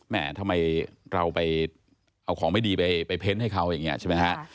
ทำไมเราไปเอาของไม่ดีไปเพ้นให้เขาอย่างนี้ใช่ไหมฮะ